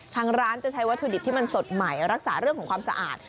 ทางร้านจะใช้วัตถุดิบที่มันสดใหม่รักษาเรื่องของความสะอาด